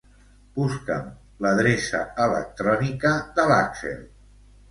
Busca'm l'adreça electrònica de l'Àxel.